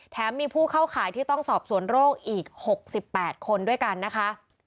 มีผู้เข้าข่ายที่ต้องสอบสวนโรคอีก๖๘คนด้วยกันนะคะ